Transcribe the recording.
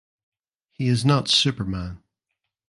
He is not superman.